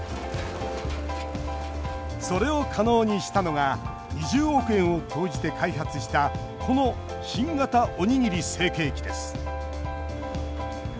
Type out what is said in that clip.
それを可能にしたのが２０億円を投じて開発したこの新型おにぎり成型機です。